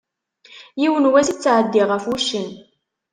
Yiwen wass i tettɛeddi ɣef wuccen.